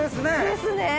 ですね。